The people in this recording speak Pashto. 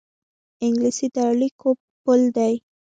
انګلیسي د اړیکو پُل دی